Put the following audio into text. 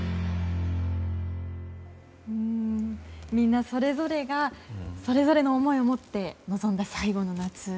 みんなそれぞれがそれぞれの思いを持って臨んだ最後の夏。